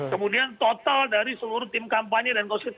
kemudian total dari seluruh tim kampanye dan konstitusi